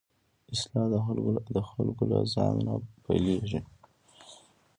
اصلاح د خلکو له ځان نه پيل کېږي.